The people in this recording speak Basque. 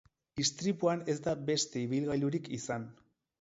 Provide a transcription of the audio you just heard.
Istripuan ez da beste ibilgailurik izan.